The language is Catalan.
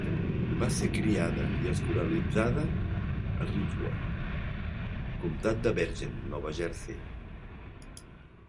Va ser criada i escolaritzada a Ridgewood, comtat de Bergen, Nova Jersey.